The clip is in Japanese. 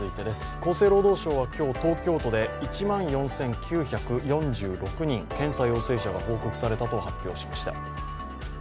厚生労働省は今日、東京都で１万４９４６人感染が報告されたと発表しました。